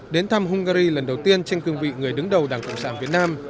đến thăm hungary lần đầu tiên trên cương vị người đứng đầu đảng cộng sản việt nam